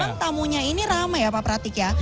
memang tamunya ini ramai ya pak pratik ya